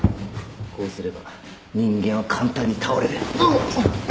こうすれば人間は簡単に倒れる。